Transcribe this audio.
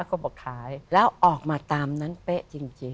ก็บอกขายแล้วออกมาตามนั้นเป๊ะจริง